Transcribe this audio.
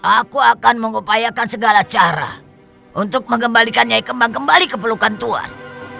aku akan mengupayakan segala cara untuk mengembalikan nyai kembang kembali ke pelukan tuan